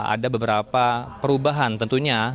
ada beberapa perubahan tentunya